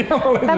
iya mulai jualan